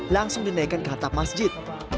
langsung dinaikkan ke atap masjid